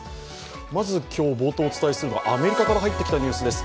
まず今日、冒頭お伝えするのはアメリカから入ってきたニュースです。